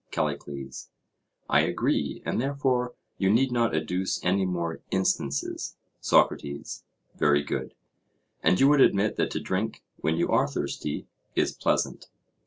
CALLICLES: I agree, and therefore you need not adduce any more instances. SOCRATES: Very good. And you would admit that to drink, when you are thirsty, is pleasant?